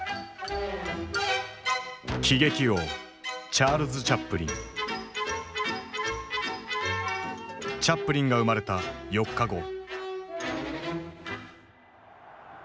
喜劇王チャップリンが生まれた４日後。